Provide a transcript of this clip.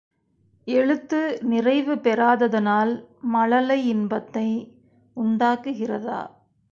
எழுத்து நிறைவு பெறாததனால் மழலை இன்பத்தை உண்டாக்குகிறதா?